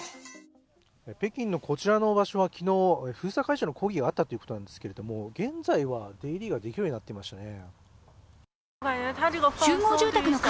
北京のこちらの場所は昨日、封鎖会場の抗議があったということなんですけれども現在は出入りができるようになっていますね。